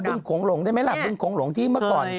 จำบึงโขงโหลงได้มั้ยล่ะบึงโขงโหลงที่เมื่อก่อน